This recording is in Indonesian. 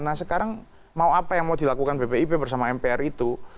nah sekarang mau apa yang mau dilakukan bpip bersama mpr itu